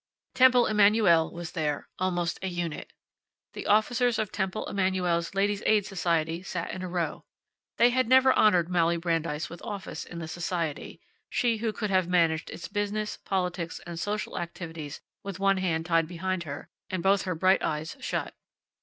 Temple Emmanu el was there, almost a unit. The officers of Temple Emanu el Ladies' Aid Society sat in a row. They had never honored Molly Brandeis with office in the society she who could have managed its business, politics and social activities with one hand tied behind her, and both her bright eyes shut.